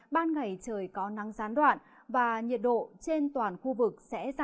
ban ngày trời có nắng gián đoạn và nhiệt độ trên toàn khu vực